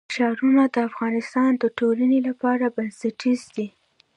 ښارونه د افغانستان د ټولنې لپاره بنسټیز دي.